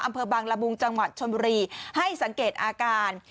อำเภอบางละมุงจังหวัดชนบุรีให้สังเกตอาการ